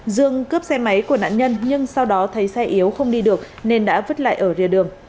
dương cướp xe máy của nạn nhân nhưng sau đó thấy xe yếu không đi được nên đã vứt lại ở rìa đường